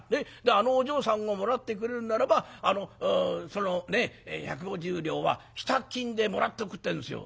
あのお嬢さんをもらってくれるならばその百五十両は支度金でもらっておくって言うんですよ。